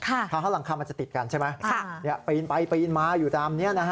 ทางเขาหลังคามันจะติดกันใช่ไหมปีนไปปีนมาอยู่ตามนี้นะฮะ